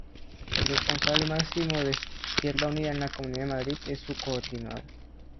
El responsable máximo de Izquierda Unida en la Comunidad de Madrid es su Coordinador.